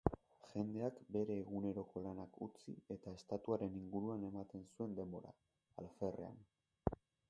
Jendeak bere eguneroko lanak utzi eta estatuaren inguruan ematen zuen denbora, alferrean.